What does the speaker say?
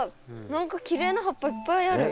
何かきれいな葉っぱいっぱいある。